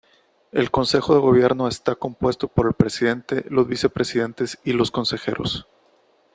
El Consejo de Gobierno está compuesto por el presidente, los vicepresidentes y los consejeros.